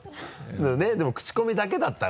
ねぇでもクチコミだけだったら。